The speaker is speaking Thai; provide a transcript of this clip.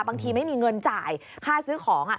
บางทีไม่มีเงินจ่ายค่าซื้อของ